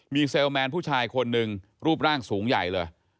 เซลล์แมนผู้ชายคนหนึ่งรูปร่างสูงใหญ่เลย